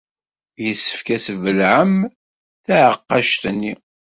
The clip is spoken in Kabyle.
Yessefk ad tesbelɛem taɛeqqact-nni.